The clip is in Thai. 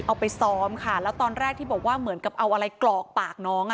เอาไปซ้อมค่ะแล้วตอนแรกที่บอกว่าเหมือนกับเอาอะไรกรอกปากน้องอ่ะ